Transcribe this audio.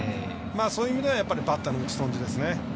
そういう意味ではバッターの打ち損じですね。